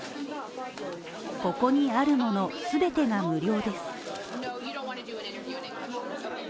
ここにあるもの全てが無料です。